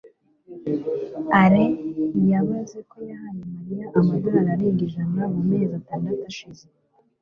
alain yabaze ko yahaye mariya amadolari arenga ijana mu mezi atandatu ashize